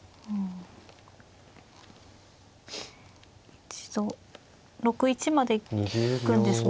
一度６一まで引くんですか？